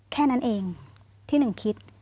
แค่นั้นเองที่หนึ่งคิด